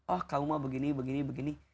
oh kau mah begini begini begini